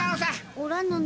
おらぬの。